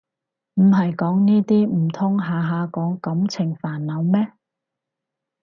唔係講呢啲唔通下下講感情煩惱咩